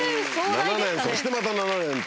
７年そしてまた７年と。